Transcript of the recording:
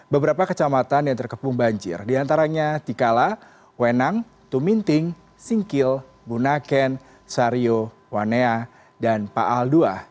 beberapa kecamatan yang terkepung banjir diantaranya tikala wenang tuminting singkil bunaken sario wanea dan paal ii